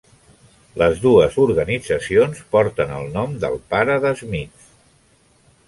Les dues organitzacions porten el nom del pare de Smith.